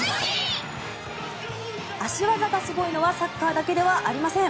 足技がすごいのはサッカーだけではありません。